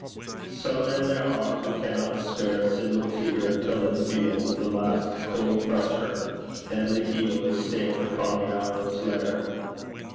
'Some men there are who cannot spare A single tear until they feel The last cold pressure, and the heel Is stamped upon the outmost layer.